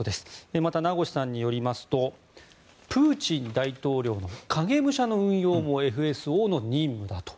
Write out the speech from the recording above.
また、名越さんによりますとプーチン大統領の影武者の運用もＦＳＯの任務だと。